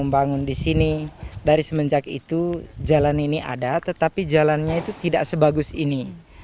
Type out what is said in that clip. membangun di sini dari semenjak itu jalan ini ada tetapi jalannya itu tidak sebagus ini